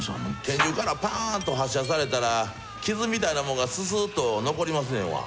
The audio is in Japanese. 拳銃からパーンと発射されたら傷みたいなもんがススーっと残りますねんわ。